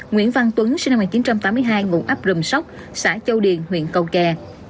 nguyễn văn tuấn sinh năm một nghìn chín trăm tám mươi hai ngụ ấp rùm sóc xã châu điền huyện cầu kè